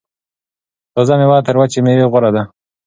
تازه میوه تر وچې میوې غوره ده.